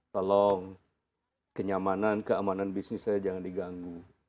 tolong kenyamanan keamanan bisnisnya jangan diganggu